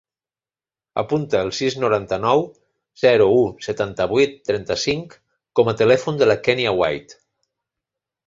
Apunta el sis, noranta-nou, zero, u, setanta-vuit, trenta-cinc com a telèfon de la Kènia White.